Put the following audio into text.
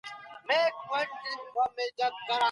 تاسو په خپلو معاملو کي صادق اوسئ.